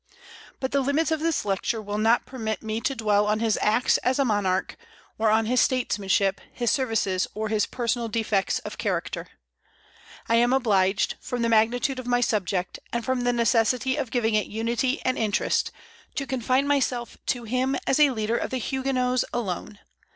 But the limits of this lecture will not permit me to dwell on his acts as a monarch, or on his statesmanship, his services, or his personal defects of character. I am obliged, from the magnitude of my subject, and from the necessity of giving it unity and interest, to confine myself to him as a leader of the Huguenots alone.